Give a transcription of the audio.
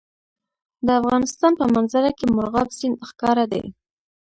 د افغانستان په منظره کې مورغاب سیند ښکاره دی.